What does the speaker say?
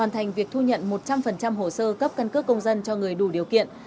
thành việc thu nhận một trăm linh hồ sơ cấp căn cước công dân cho người đủ điều kiện